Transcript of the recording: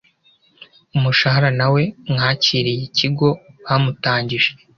umushahara nawe mwakiriya kigo bamutangije